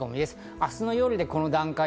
明日の夜でこの段階。